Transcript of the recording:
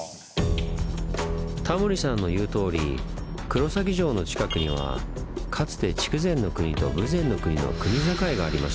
タモリさんの言うとおり黒崎城の近くにはかつて筑前国と豊前国の国境がありました。